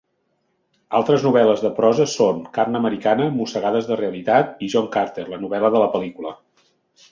Altres novel·les de prosa són "Carn americana", "Mossegades de realitat" i "John Carter: la novel·la de la pel·lícula".